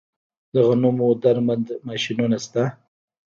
د غنمو درمند ماشینونه شته